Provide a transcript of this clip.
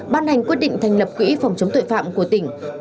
ban hành quyết định thành lập quỹ phòng chống tội phạm của tỉnh